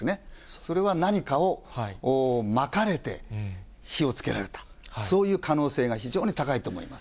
それは何かをまかれて、火をつけられた、そういう可能性が非常に高いと思います。